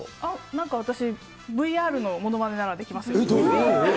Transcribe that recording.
なんか私、ＶＲのものまねならできますよ。